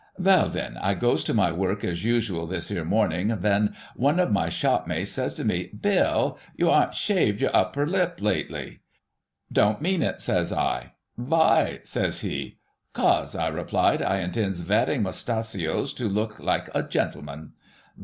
Veil, then, I goes to my vork, as usual, this 'ere morning, ven one of my shopmates said to me, " Bill, you am't shaved your hupper lip lately." " Don't mean it," says I. " Vy .?" says he. " 'Cos," I replied, " I intends veaxing mustachios to look like a gentleman."